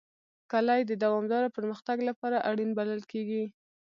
کلي د دوامداره پرمختګ لپاره اړین بلل کېږي.